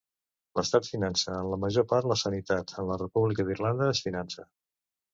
L'estat finança en la major part la sanitat en la República d'Irlanda es finança.